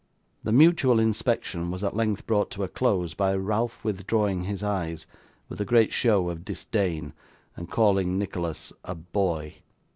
The mutual inspection was at length brought to a close by Ralph withdrawing his eyes, with a great show of disdain, and calling Nicholas 'a boy.